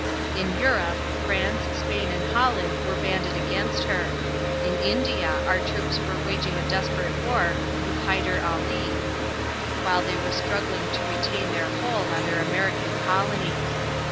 In Europe France, Spain, and Holland were banded against her; in India our troops were waging a desperate war with Hyder Ali; while they were struggling to retain their hold on their American colonies.